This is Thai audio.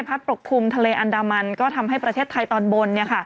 ปกคลุมทะเลอันดามันก็ทำให้ประเทศไทยตอนบน